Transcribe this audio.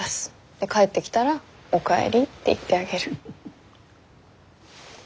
で帰ってきたらおかえりって言ってあげる。